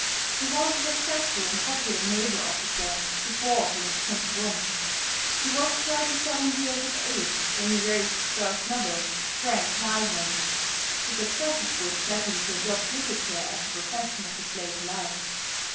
He was a successful and popular naval officer before he was twenty one. He was thirty seven years of age when he wrote his first novel, "Frank Mildmay," the success of which led him to adopt literature as the profession of his later life.